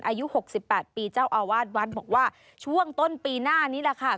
อายุ๖๘ปีเจ้าอาวาสวัดบอกว่าช่วงต้นปีหน้านี้แหละค่ะ